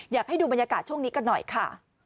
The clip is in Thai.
อยากให้ดูบรรยากาศช่วงนี้กันหน่อยค่ะ